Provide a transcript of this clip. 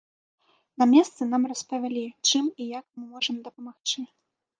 На месцы нам распавялі, чым і як мы можам дапамагчы.